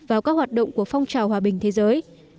vào các hoạt động của phong trào hòa bình thế giới